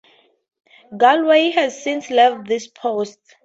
Galway has since left this post.